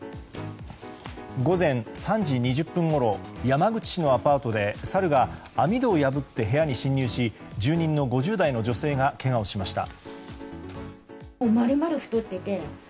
午前３時２０分ごろ山口市のアパートでサルが網戸を破って部屋に侵入し住人の５０代の女性がけがをしました。